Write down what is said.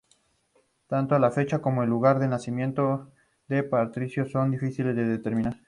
Tanto la fecha como el lugar de nacimiento de Patricio son difíciles de determinar.